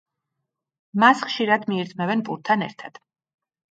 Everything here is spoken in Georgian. მას ხშირად მიირთმევენ პურთან ერთად.